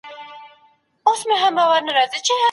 يوولس يوولسم عدد دئ.